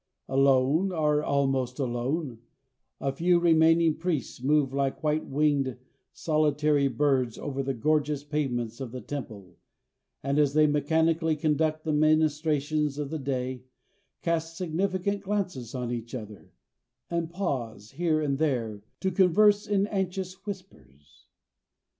Alone, or almost alone, the few remaining priests move like white winged, solitary birds over the gorgeous pavements of the temple, and as they mechanically conduct the ministrations of the day, cast significant glances on each other, and pause here and there to converse in anxious whispers.